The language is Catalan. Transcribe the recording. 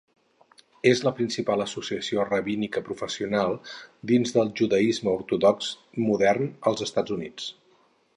És la principal associació rabínica professional dins del judaisme ortodox modern als Estats Units.